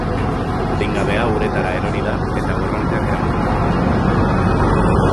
Adingabea uretara erori da eta korronteak eraman du.